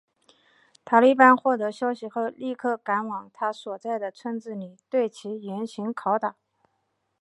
塔利班获得消息后立刻赶往他所在的村子里对其严刑拷打。